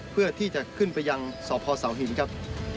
เพื่อที่จะขึ้นไปยังสพเสาหินครับ